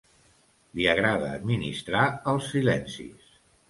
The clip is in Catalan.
Li agrada administrar els silencis.